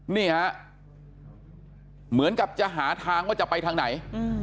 นี่ฮะเหมือนกับจะหาทางว่าจะไปทางไหน